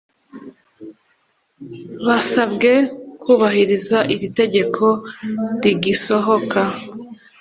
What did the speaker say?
basabwe kubahiriza iri tegeko rigisohoka